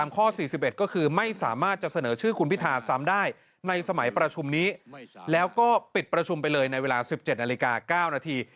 ก็จะถูกคุมไปเลยในเวลา๑๗นาฬิกา๙นาที